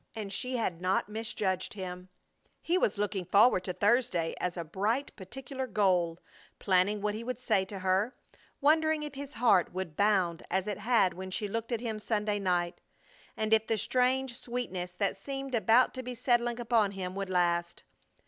And she had not misjudged him. He was looking forward to Thursday as a bright, particular goal, planning what he would say to her, wondering if his heart would bound as it had when she looked at him Sunday night, and if the strange sweetness that seemed about to be settling upon him would last.